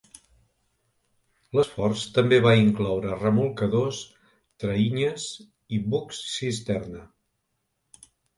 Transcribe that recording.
L"esforç també va incloure remolcadors, traïnyes y bucs cisterna.